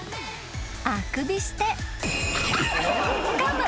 ［あくびして］